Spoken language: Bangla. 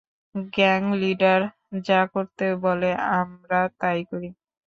গ্যাং লিডার যা করতে বলে, আমরা তাই করি।